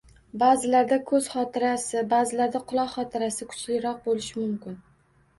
Ba’zilarda ko‘z xotirasi, ba’zilarda quloq xotirasi kuchliroq bo‘lishi mumkin.